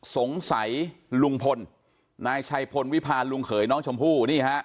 สงสัยลุงพลนายชัยพลวิพาลลุงเขยน้องชมพู่นี่ฮะ